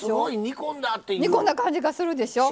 煮込んだ感じがするでしょ。